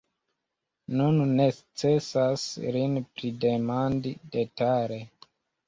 Nun necesas lin pridemandi detale.